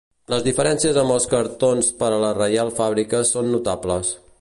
Les diferències amb els cartons per a la Reial Fàbrica són notables.